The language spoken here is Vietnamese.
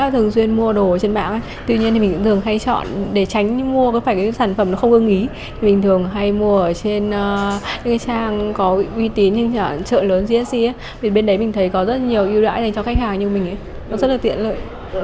trang có uy tín như trợ lớn gsc bên đấy mình thấy có rất nhiều ưu đãi cho khách hàng như mình rất là tiện lợi